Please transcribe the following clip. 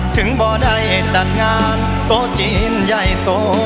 ถึงบอกได้ให้จัดงานตัวจีนใหญ่โต